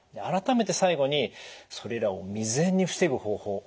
改めて最後にそれらを未然に防ぐ方法